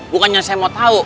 bukannya saya mau tau